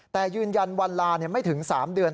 แต่ยืนยันวันลาไม่ถึง๓เดือน